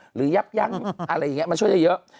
หรือยับยั้งมันช่วยได้เยอะ